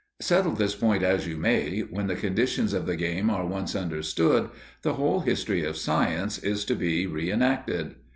Settle this point as you may, when the conditions of the game are once understood, the whole history of Science is to be re enacted.